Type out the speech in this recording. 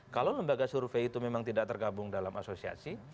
kalau lembaga survei itu memang tidak tergabung dalam asosiasi